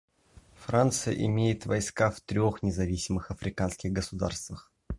Франция имеет войска в трех независимых африканских государствах.